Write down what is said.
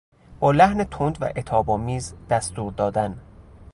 با لحن تند و عتابآمیز دستور دادن